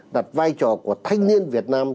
đặt vai trò của thanh niên việt nam